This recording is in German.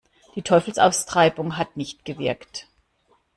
Die Teufelsaustreibung hat nicht gewirkt.